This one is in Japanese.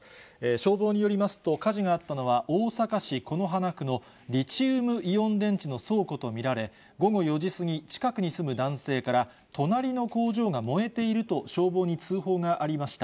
消防によりますと、火事があったのは、大阪市此花区のリチウムイオン電池の倉庫と見られ、午後４時過ぎ、近くに住む男性から、隣の工場が燃えていると、消防に通報がありました。